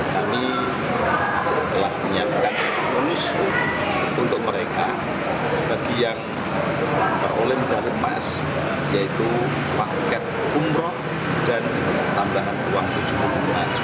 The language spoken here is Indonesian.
kami telah menyiapkan bonus untuk mereka bagi yang teroleh dari pas yaitu paket umroh dan tambahan uang rp tujuh